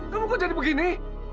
kamu kok jadi begini